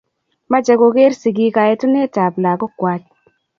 mache koker sigik kaetunet ab lagok kwai